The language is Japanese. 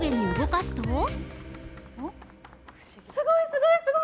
すごい、すごいすごい！